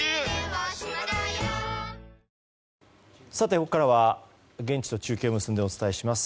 ここからは現地と中継を結んでお伝えします。